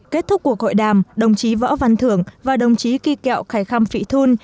kết thúc cuộc hội đàm đồng chí võ văn thưởng và đồng chí kỳ kẹo khải khăm phị thun